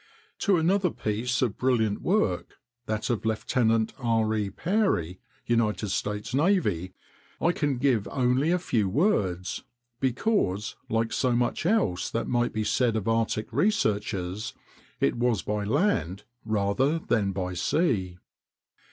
To another piece of brilliant work, that of Lieutenant R. E. Peary, U. S. N., I can give only a few words, because, like so much else that might be said of Arctic researches, it was by land rather than by sea.